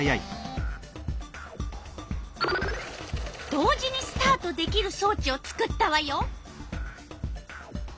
同時にスタートできるそうちを作ったわよ。